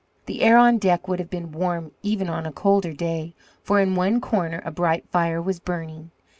The air on deck would have been warm even on a colder day, for in one corner a bright fire was burning.